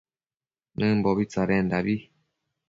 Nëmbobi tsadendabi